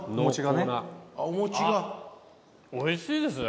おいしいですね。